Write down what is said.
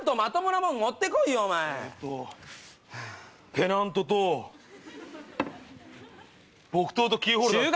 ペナントと木刀とキーホルダー。